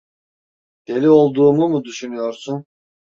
Deli olduğumu mu düşünüyorsun?